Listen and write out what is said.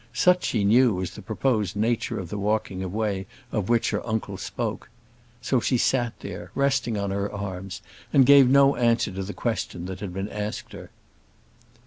Such she knew was the proposed nature of the walking away of which her uncle spoke. So she sat there, resting on her arms, and gave no answer to the question that had been asked her.